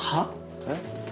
えっ？